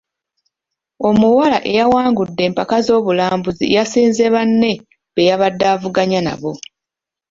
Omuwala eyawangudde empaka z'obulambuzi yasinze banne be yabadde avuganya nabo.